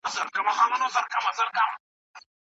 خلګ به نوي مهارتونه زده کړي.